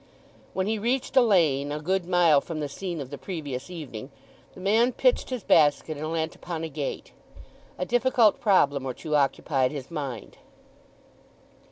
When he reached a lane, a good mile from the scene of the previous evening, the man pitched his basket and leant upon a gate. A difficult problem or two occupied his mind.